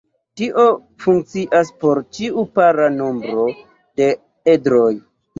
Tio funkcias por ĉiu para nombro de edroj.